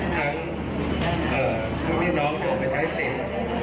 ทั้งที่น้องเอามาใช้เสียง